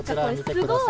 すごい！